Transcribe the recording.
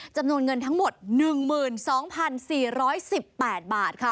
จำนวนเงินทั้งหมด๑๒๔๑๘บาทค่ะ